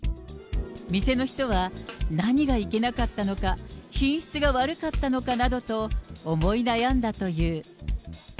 店の人は、何がいけなかったのか、品質が悪かったのかなどと、思い悩んだという。